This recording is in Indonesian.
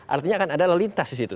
artinya akan ada lelintas di situ